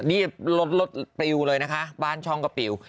นี่รถรถปริวเลยนะคะบ้านช่องกระปิว